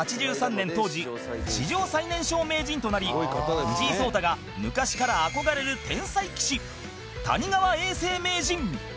年当時史上最年少名人となり藤井聡太が昔から憧れる天才棋士谷川永世名人